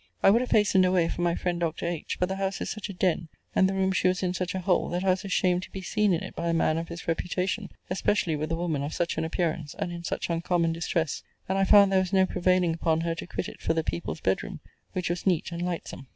I would have hastened away for my friend Doctor H., but the house is such a den, and the room she was in such a hole, that I was ashamed to be seen in it by a man of his reputation, especially with a woman of such an appearance, and in such uncommon distress; and I found there was no prevailing upon her to quit it for the people's bed room, which was neat and lightsome.